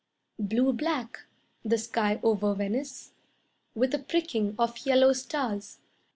Blue black, the sky over Venice, With a pricking of yellow stars.